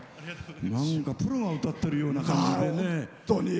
なんかプロが歌ってるような感じでね。